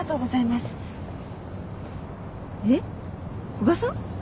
古賀さん？